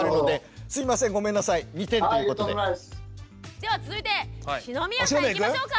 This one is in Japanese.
では続いて篠宮さんいきましょうか。